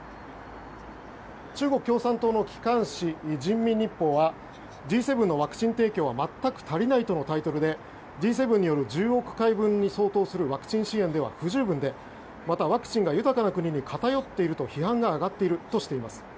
中国共産党の機関紙人民日報はＧ７のワクチン提供は全く足りないとのタイトルでＧ７による１０億回分に相当するワクチン支援では不十分で、またワクチンが豊かな国に偏っていると批判が上がっているとしています。